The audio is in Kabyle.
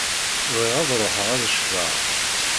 Bɣiɣ ad ṛuḥeɣ ad ccfeɣ.